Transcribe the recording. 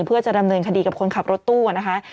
เพื่อจะดำเนินคดีกับคนขับรถตู้นะคะ